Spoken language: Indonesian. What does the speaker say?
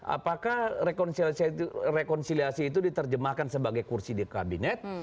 apakah rekonsiliasi itu diterjemahkan sebagai kursi di kabinet